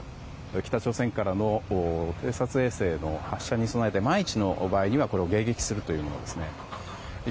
北朝鮮からの偵察衛星の発射に備えて万が一の場合には、これを迎撃するということですね。